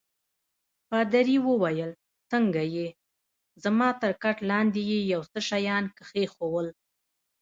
پادري وویل: څنګه يې؟ زما تر کټ لاندي يې یو څه شیان کښېښوول.